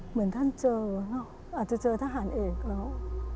เหมือนท่านเจออาจจะเจอทหารเอกแล้ว